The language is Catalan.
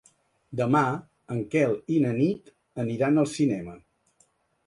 Demà en Quel i na Nit aniran al cinema.